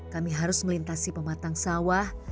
kami harus melintasi pematang sawah